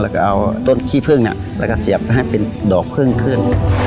แล้วก็เอาต้นขี้พึ่งแล้วก็เสียบให้เป็นดอกพึ่งขึ้น